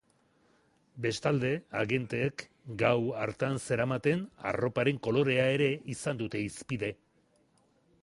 Bestalde, agenteek gaur hartan zeramaten arroparen kolorea ere izan dute hizpide.